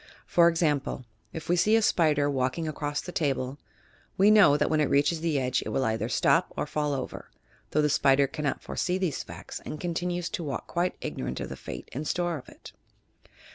For example, if we see a spider walking across the table, we know that when it reaches the edge, it will either stop or fall over, though the spider cannot foresee these facta and continues to walk quite ignorant of the fate in store for it!